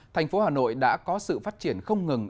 thành phố hà nội đã có sự phát triển không ngừng